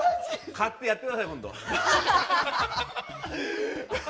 買ってやってください、本当。